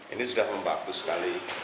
ini sudah membagus sekali